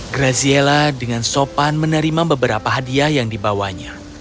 graziella dengan sopan menerima beberapa hadiah yang dibawanya